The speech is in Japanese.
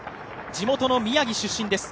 地元の宮城出身です。